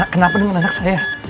kenapa dengan anak saya